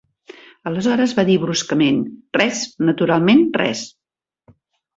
Aleshores va dir bruscament: "Res, naturalment, res".